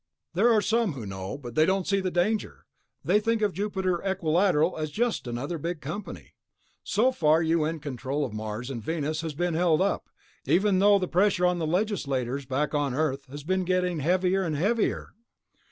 "There are some who know ... but they don't see the danger. They think of Jupiter Equilateral as just another big company. So far U.N. control of Mars and Venus has held up, even though the pressure on the legislators back on Earth has been getting heavier and heavier.